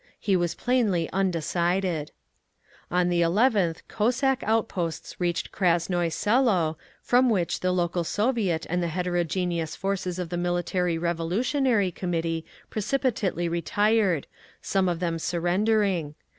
He was plainly undecided. On the 11th Cossack outposts reached Krasnoye Selo, from which the local Soviet and the heterogeneous forces of the Military Revolutionary Committee precipitately retired, some of them surrendering….